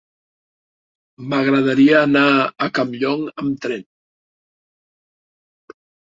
M'agradaria anar a Campllong amb tren.